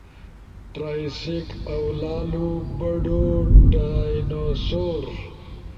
ٹرائسک او لالو بڑو ڈائنوسور